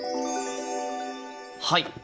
はい。